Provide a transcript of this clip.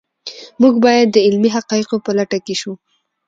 موږ باید د علمي حقایقو په لټه کې شو.